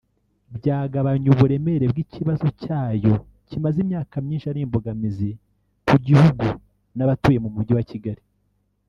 byagabanya uburemere bw’ikibazo cyayo kimaze imyaka myinshi ari imbogamizi ku gihugu n’abatuye mu mugi wa Kigali